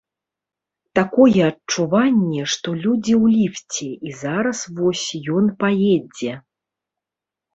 Такое адчуванне, што людзі ў ліфце і зараз вось ён паедзе.